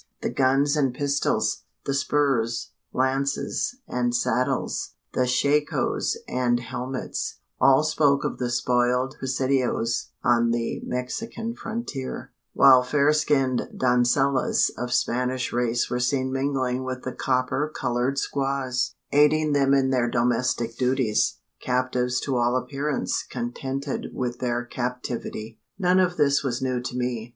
The guns and pistols the spurs, lances, and saddles the shakos and helmets all spoke of the spoiled presidios on the Mexican frontier; while fair skinned doncellas of Spanish race were seen mingling with the copper coloured squaws aiding them in their domestic duties captives to all appearance contented with their captivity! None of this was new to me.